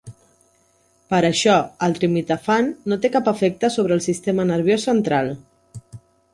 Per això, el trimetafan no té cap efecte sobre el sistema nerviós central.